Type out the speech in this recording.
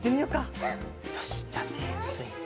よしじゃあてついて。